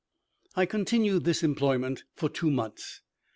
I continued this employment for two months.